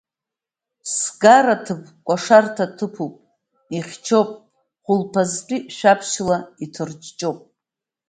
Сгараҭыԥ кәашарҭа ҭыԥуп, ихьчоуп, хәылԥазтәи шәаԥшьла иҭырҷҷоуп…